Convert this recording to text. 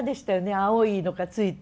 青い色がついて。